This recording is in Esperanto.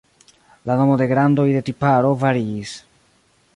La nomo de grandoj de tiparo variis.